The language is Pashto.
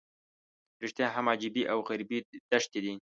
رښتیا هم عجیبې او غریبې دښتې دي.